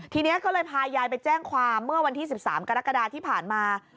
ทีนี้ก็เลยพายายไปแจ้งความเมื่อวันที่๑๓กรกฎาที่ผ่านมา